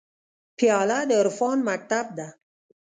پیاله د عرفان مکتب ده.